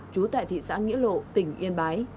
chú tại thị xã nghĩa lộ tỉnh yên bái